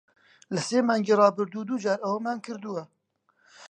لە سێ مانگی ڕابردوو، دوو جار ئەوەمان کردووە.